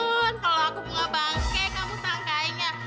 kalau aku bunga bangke kamu sangkainya